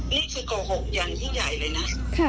นี่คือโกหกอย่างยิ่งใหญ่เลยนะ